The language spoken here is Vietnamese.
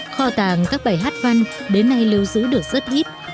kho tàng các bài hát văn đến nay lưu giữ được rất ít